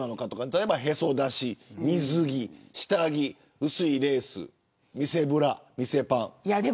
例えば、へそ出し、水着、下着薄いレース見せブラ、見せパン。